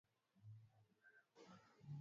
Usiende kwenye vita